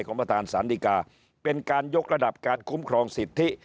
ประธานสารดีกาเป็นการยกระดับการคุ้มครองสิทธิ